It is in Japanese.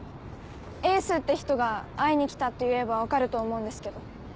エースって人が会いに来たって言えば分かると思うんですけど。